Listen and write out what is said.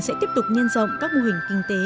sẽ tiếp tục nhân rộng các mô hình kinh tế